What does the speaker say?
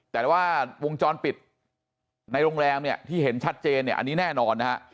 แต่ว่าวงจรปิดในโรงแรมที่เห็นชัดเจนอันนี้แน่นอน